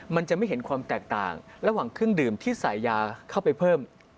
มันจะไม่เห็นความแตกต่างระหว่างเครื่องดื่มที่ใส่ยาเข้าไปเพิ่ม